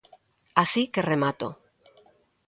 Así que remato.